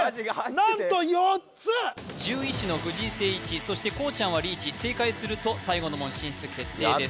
何と４つ獣医師の藤井誠一そしてこうちゃんはリーチ正解すると最後の門進出決定です